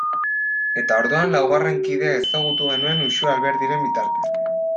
Eta orduan laugarren kidea ezagutu genuen Uxueren Alberdi bitartez.